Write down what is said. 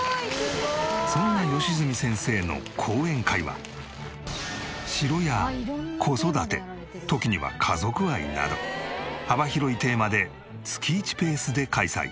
そんな良純先生の講演会は城や子育て時には家族愛など幅広いテーマで月１ペースで開催。